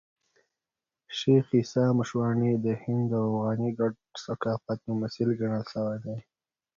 شېخ عیسي مشواڼي د هندي او افغاني ګډ ثقافت ممثل ګڼل سوى دئ.